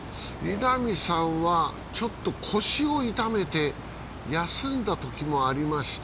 稲見さんはちょっと腰を痛めて休んだときもありました。